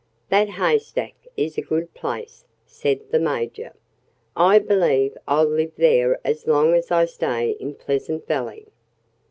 "That haystack is a good place," said the Major. "I believe I'll live there as long as I stay in Pleasant Valley."